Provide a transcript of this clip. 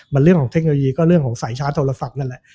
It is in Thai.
มันเรื่องของเทคโนโลยีก็เรื่องของสายชาร์จโทรศัพท์นั่นแหละ